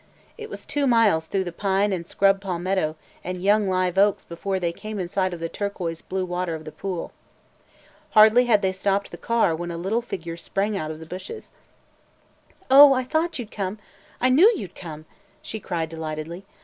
It was two miles through the pine and scrub palmetto and young live oaks before they came in sight of the turquoise blue water of the pool. Hardly had they stopped the car when a little figure sprang out of the bushes. [Facing Page] "The Missis' wanted to go to the moving picture show" "Oh, I thought you 'd come. I knew you 'd come!" she cried delightedly.